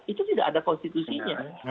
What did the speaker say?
itu tidak ada konstitusinya